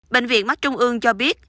bệnh viện mắc trung ương cho biết